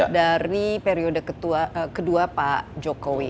dari periode kedua pak jokowi